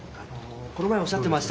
この前おっしゃってました